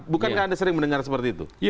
bukan kan anda sering mendengar seperti itu